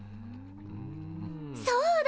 そうだ！